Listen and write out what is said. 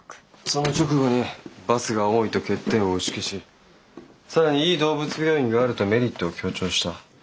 その直後にバスが多いと欠点を打ち消し更にいい動物病院があるとメリットを強調した。